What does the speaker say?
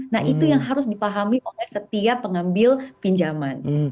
nah itu yang harus dipahami oleh setiap pengambil pinjaman